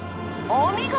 お見事！